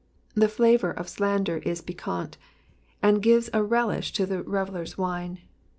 The flavour of slander is piquante, and gives a relish to the revellers' wine.